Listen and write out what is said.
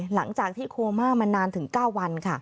หลังจากที่โคม่ามานานถึง๙วันค่ะ